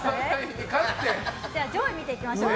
上位を見ていきましょう。